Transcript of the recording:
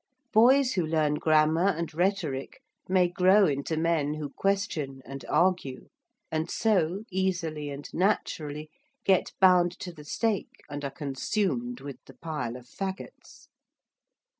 Boys who learn grammar and rhetoric may grow into men who question and argue; and so, easily and naturally, get bound to the stake and are consumed with the pile of faggots.